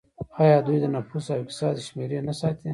آیا دوی د نفوس او اقتصاد شمیرې نه ساتي؟